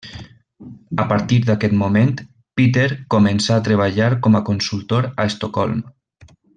A partir d'aquest moment Peter començà a treballar com a consultor a Estocolm.